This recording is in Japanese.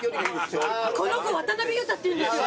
この子渡辺裕太っていうんですよ。